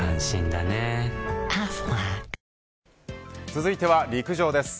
続いては陸上です。